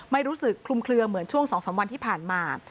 ไม่รู้สึกคลุมเคลือเหมือนช่วง๒๓วันที่ผ่านมา